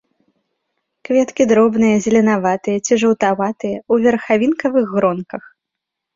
Кветкі дробныя, зеленаватыя ці жаўтаватыя, у верхавінкавых гронках.